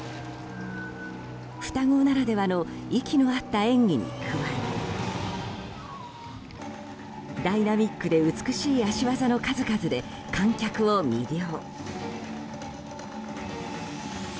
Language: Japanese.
双子ならではの息の合った演技に加えダイナミックで美しい脚技の数々で観客を魅了。